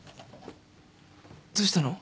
どうしたの？